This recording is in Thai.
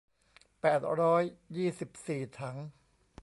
แปดร้อยยี่สิบสี่ถัง